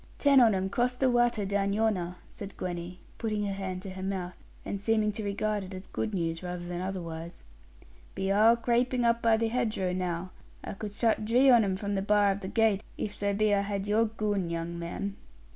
'Ten on 'em crossed the watter down yonner,' said Gwenny, putting her hand to her mouth, and seeming to regard it as good news rather than otherwise: 'be arl craping up by hedgerow now. I could shutt dree on 'em from the bar of the gate, if so be I had your goon, young man.'